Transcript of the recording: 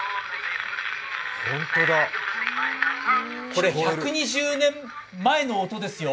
これ、１２０年前の音ですよ。